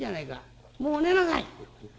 もう寝なさい！』。